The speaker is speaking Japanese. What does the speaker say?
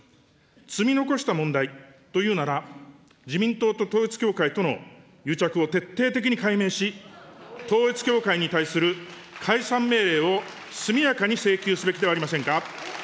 積み残した問題というなら、自民党と統一教会との癒着を徹底的に解明し、統一教会に対する解散命令を速やかに請求すべきではありませんか。